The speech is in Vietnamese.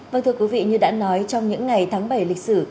vâng thưa quý vị như đã nói trong những ngày tháng bảy lịch sử